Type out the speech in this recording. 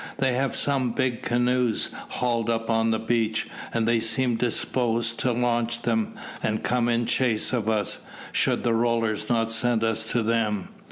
"They have some big canoes hauled up on the beach, and they seem disposed to launch them, and come in chase of us, should the rollers not send us to them."